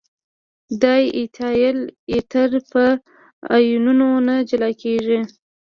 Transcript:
دای ایتایل ایتر په آیونونو نه جلا کیږي.